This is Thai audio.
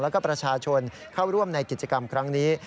แล้วก็ประชาชนเข้าร่วมในกิจกรรมครั้งนี้